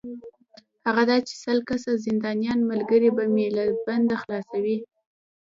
هغه دا چې سل کسه زندانیان ملګري به مې له بنده خلاصوې.